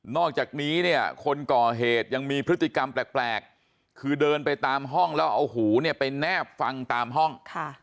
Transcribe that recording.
อกจากนี้เนี่ยคนก่อเหตุยังมีพฤติกรรมแปลกคือเดินไปตามห้องแล้วเอาหูเนี่ยไปแนบฟังตามห้อง